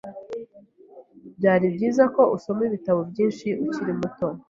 Byari byiza ko usoma ibitabo byinshi ukiri muto.